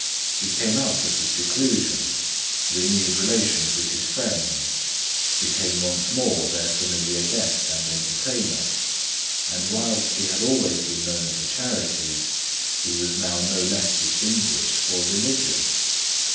He came out of his seclusion, renewed relations with his friends, became once more their familiar guest and entertainer; and whilst he had always been known for charities, he was now no less distinguished for religion.